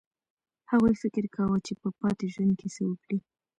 هغوی فکر کاوه چې په پاتې ژوند کې څه وکړي